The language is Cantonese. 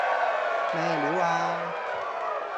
咩料呀